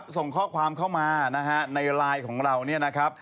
ส่งข้อความเข้ามานะฮะในไลน์ของเราเนี่ยนะครับ